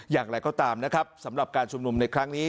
อย่างไรก็ตามนะครับสำหรับการชุมนุมในครั้งนี้